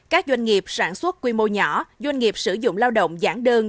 các doanh nghiệp sản xuất quy mô nhỏ doanh nghiệp sử dụng lao động giảng đơn